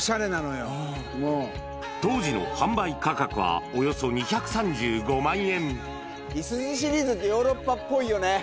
当時の販売価格は、いすゞシリーズって、ヨーロッパっぽいよね。